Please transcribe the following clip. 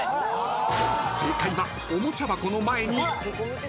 ［正解はおもちゃ箱の前に］